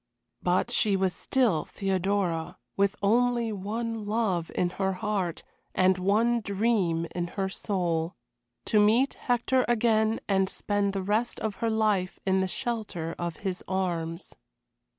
But she was still Theodora, with only one love in her heart and one dream in her soul to meet Hector again and spend the rest of her life in the shelter of his arms.